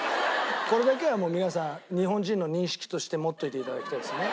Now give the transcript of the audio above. これだけは皆さん日本人の認識として持っておいていただきたいですね